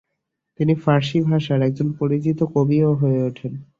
তিনি ফারসি ভাষার একজন পরিচিত কবিও হয়ে ওঠেন।